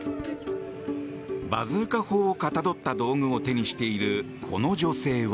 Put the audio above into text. バズーカ砲をかたどった道具を手にしている、この女性は。